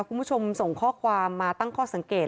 คุณผู้ชมส่งข้อความมาตั้งข้อสังเกต